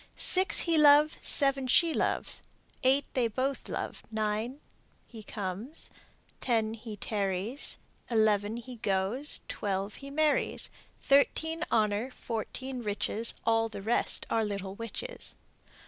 Six he loves, Seven she loves, Eight they both love, Nine he comes, Ten he tarries, Eleven he goes, Twelve he marries. Thirteen honor, Fourteen riches, All the rest are little witches.